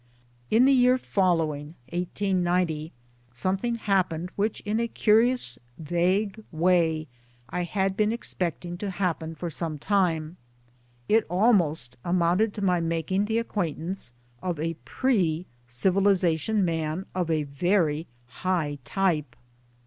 In the year following something] happened which in a curious vague way I had been expecting to happen for some time. It almost amounted to my making the acquaintance of a p re civilization man of a very high type.